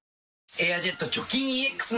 「エアジェット除菌ＥＸ」